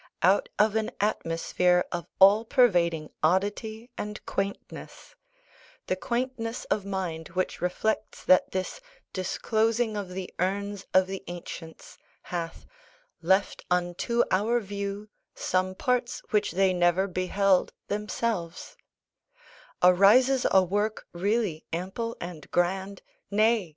Out of an atmosphere of all pervading oddity and quaintness the quaintness of mind which reflects that this disclosing of the urns of the ancients hath "left unto our view some parts which they never beheld themselves" arises a work really ample and grand, nay!